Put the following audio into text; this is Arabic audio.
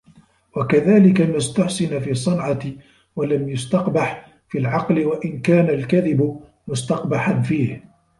وَكَذَلِكَ مَا اُسْتُحْسِنَ فِي الصَّنْعَةِ وَلَمْ يُسْتَقْبَحْ فِي الْعَقْلِ وَإِنْ كَانَ الْكَذِبُ مُسْتَقْبَحًا فِيهِ